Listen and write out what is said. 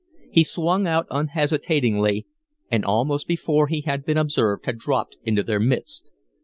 He swung out unhesitatingly, and almost before he had been observed had dropped into their midst.